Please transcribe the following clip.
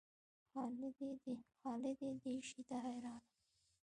خالد یې دې شي ته حیران و.